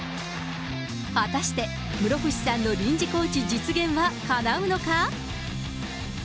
果たして、室伏さんの臨時コーチ実現はかなうのか。